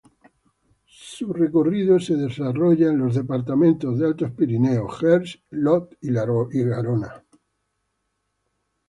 Su recorrido se desarrolla los departamentos de Altos Pirineos, Gers y Lot y Garona.